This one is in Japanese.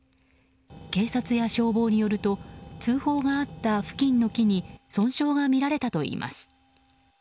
警察や消防によると通報があった付近の木に損傷が見られたといいます。